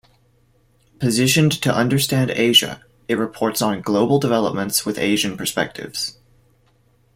Positioned to "Understand Asia", it reports on global developments with Asian perspectives.